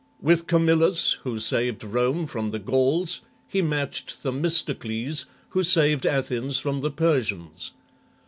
With Camillus, who saved Rome from the Gauls, he matched Themistocles, who saved Athens from the Persians.